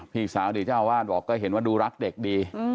พี่สาวอดีตเจ้าวาดบอกก็เห็นว่าดูรักเด็กดี